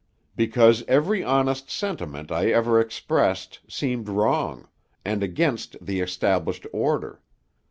"Because every honest sentiment I ever expressed seemed wrong, and against the established order.